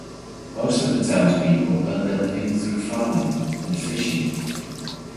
Most of the town's people earned their living through farming and fishing.